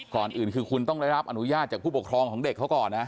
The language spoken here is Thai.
ก่อนอื่นคือคุณต้องได้รับอนุญาตจากผู้ปกครองของเด็กเขาก่อนนะ